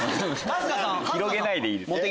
広げないでいいです。